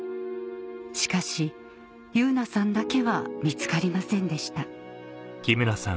しかし汐凪さんだけは見つかりませんでした